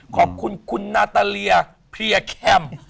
ขอบคุณคุณนาตาเลียเพลียแคม